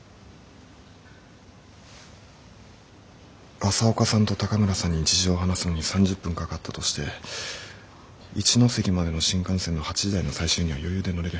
朝岡さんと高村さんに事情を話すのに３０分かかったとして一関までの新幹線の８時台の最終には余裕で乗れる。